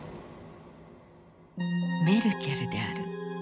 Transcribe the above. メルケルである。